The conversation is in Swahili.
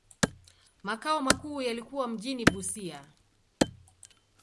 Makao makuu yalikuwa mjini Busia.